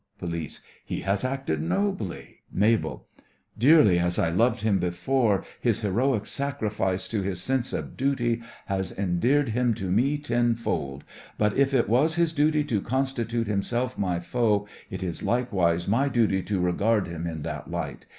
POLICE: He has acted nobly! MABEL: Dearly as I loved him before, his heroic sacrifice to his sense of duty has endeared him to me tenfold; but if it was his duty to constitute himself my foe, it is likewise my duty to regard him in that light.